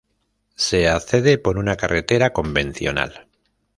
Se accede por una carretera convencional.